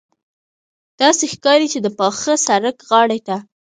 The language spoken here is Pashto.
داسې ښکاري چې د پاخه سړک غاړې ته.